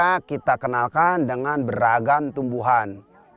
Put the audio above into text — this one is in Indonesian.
kita kenalkan dengan beragam tumbuhan